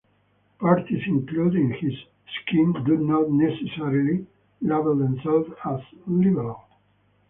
Parties included in this scheme do not necessarily label themselves as "liberal".